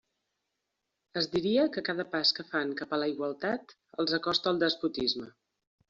Es diria que cada pas que fan cap a la igualtat els acosta al despotisme.